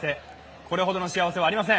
これほどの幸せはありません！